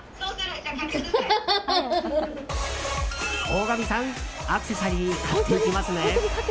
大神さんアクセサリー買っていきますね。